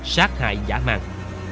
sát hại giả mạng